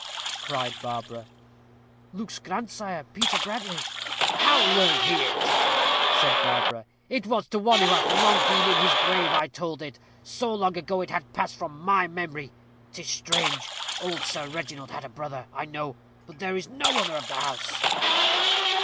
cried Barbara. "Luke's grandsire, Peter Bradley." "How learnt he it?" said Barbara. "It was to one who hath long been in his grave I told it; so long ago, it had passed from my memory. 'Tis strange! old Sir Reginald had a brother, I know. But there is no other of the house."